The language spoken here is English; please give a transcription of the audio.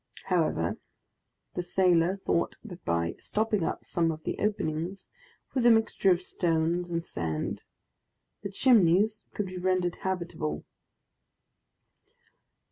However, the sailor thought that by stopping up some of the openings with a mixture of stones and sand, the Chimneys could be rendered habitable.